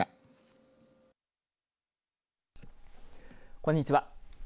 こんにちは。